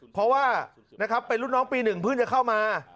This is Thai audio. เพราะว่านะครับเป็นรุ่นน้องปี๑เพิ่งจะเข้ามา